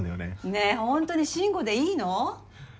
ねえほんとに慎吾でいいの？